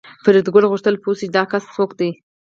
فریدګل غوښتل پوه شي چې دا کس څوک دی